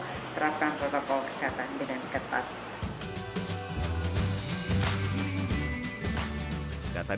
dan menerapkan protokol kesehatan dengan cepat